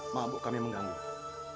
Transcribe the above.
maaf bu kami mengganggu